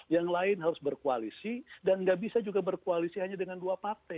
yang lain harus berkoalisi dan nggak bisa juga berkoalisi hanya dengan dua partai